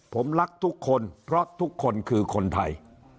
ผมรักทุกคนเพราะทุกคนคือคนไทย